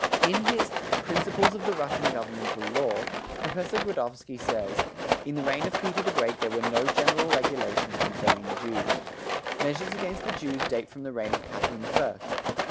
In his "Principles of the Russian Governmental Law" Professor Gradovsky says: "In the reign of Peter the Great there were no general regulations concerning the Jews." Measures against the Jews date from the reign of Catherine the First.